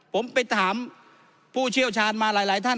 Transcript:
ผมไปถามผู้เชี่ยวชาญมาหลายท่าน